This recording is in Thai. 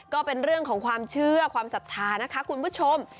ก็เป็นเรื่องของความเชื่อความศรัทธานะคะคุณผู้ชม